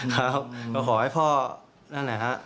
ก็ขอให้พ่อนั่นแหละครับ